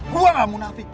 gue gak munafik